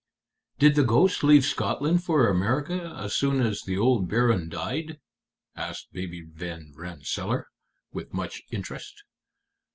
"Did the ghost leave Scotland for America as soon as the old baron died?" asked Baby Van Rensselaer, with much interest.